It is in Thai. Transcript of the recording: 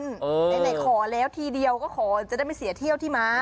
ไหนขอแล้วทีเดียวก็ขอจะได้ไม่เสียเที่ยวที่ม้า